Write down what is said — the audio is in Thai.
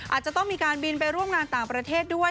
อาจจะต้องมีการบินไปร่วมงานต่างประเทศด้วย